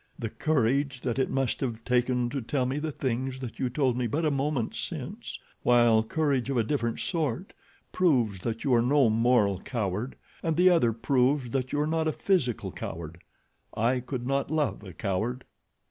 The courage that it must have taken to tell me the things that you told me but a moment since, while courage of a different sort, proves that you are no moral coward, and the other proves that you are not a physical coward. I could not love a coward."